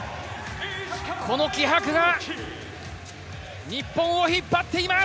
この気迫が日本を引っ張っています。